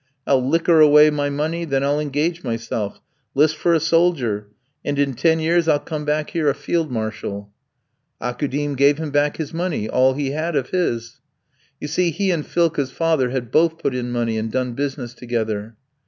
I'll liquor away my money, then I'll engage myself, 'list for a soldier; and in ten years I'll come back here a field marshal!' Aukoudim gave him back his money all he had of his. You see he and Philka's father had both put in money and done business together.